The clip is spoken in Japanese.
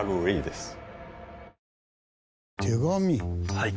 はい。